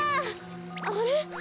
あれ？